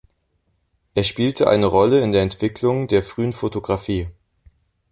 Er spielte eine Rolle in der Entwicklung der frühen Fotografie.